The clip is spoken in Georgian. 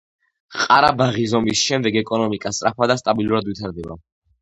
ყარაბაღის ომის შემდეგ ეკონომიკა სწრაფად და სტაბილურად ვითარდება.